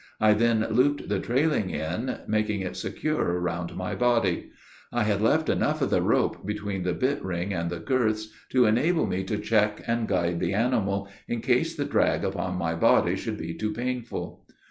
I then looped the trailing end, making it secure around my body. I had left enough of the rope, between the bit ring and the girths, to enable me to check and guide the animal, in case the drag upon my body should be too painful.